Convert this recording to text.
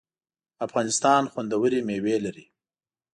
افغانستان خوندوری میوی لري